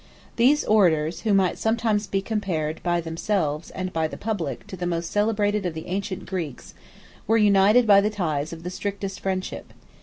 These orators, who might sometimes be compared, by themselves, and by the public, to the most celebrated of the ancient Greeks, were united by the ties of the strictest friendship.